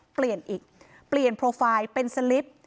เปลี่ยนอีกเปลี่ยนโปรไฟล์เป็นสลิป